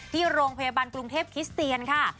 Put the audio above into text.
ที่โรงพยาบาลกรุงเทพคิสเตียนค่ะ